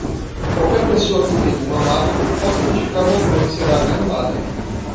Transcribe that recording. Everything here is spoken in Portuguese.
Qualquer pessoa que tenha alguma marca que possa identificar o autor será anulada.